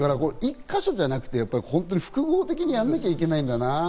１か所じゃなくて、複合的にやんなきゃいけないんだな。